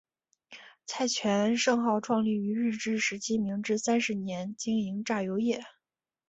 蔡泉盛号创立于日治时期明治三十年经营榨油业。